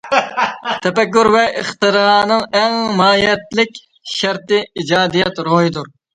تەپەككۇر ۋە ئىختىرانىڭ ئەڭ ماھىيەتلىك شەرتى ئىجادىيەت روھىدۇر.